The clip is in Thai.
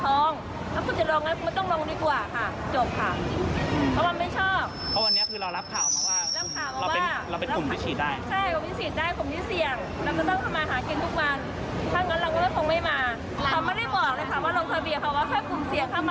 ถ้าคุณจะลงงั้นกูมันต้องลงดีกว่าค่ะจบค่ะ